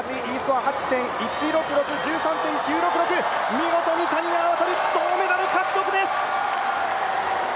見事に谷川航銅メダル獲得です！